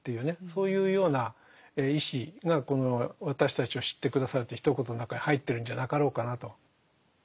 そういうような意思がこの「私たちを知って下さる」というひと言の中に入ってるんじゃなかろうかなと。